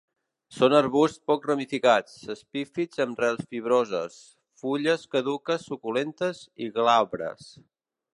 Són arbusts poc ramificats, epífits amb rels fibroses, fulles caduques suculentes i glabres.